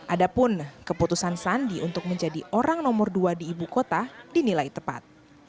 adapun keputusan sandi untuk menjadi orang nomor dua di ibu kota dinilai tepat